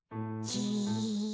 じ。